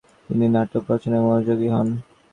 তিনি নাটক রচনায় মনোযোগী হন।